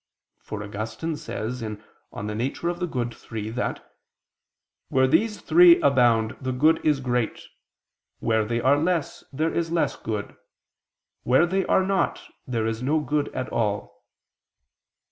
For Augustine says (De Natura Boni iii) that "where these three abound, the good is great; where they are less, there is less good; where they are not, there is no good at all."